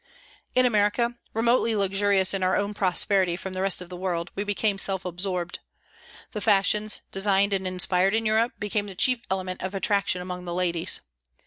In America, remotely luxurious in our own prosperity from the rest of the world, we became self absorbed. The fashions, designed and inspired in Europe, became the chief element of attraction among the ladies.